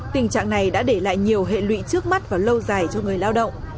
tình trạng này đã để lại nhiều hệ lụy trước mắt và lâu dài cho người lao động